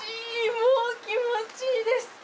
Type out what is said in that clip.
もう気持ちいいです。